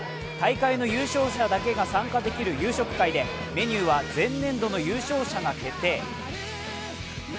大会の優勝者だけが参加できる夕食会でメニューは前年度の優勝者が決定。